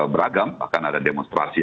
beragam bahkan ada demonstrasi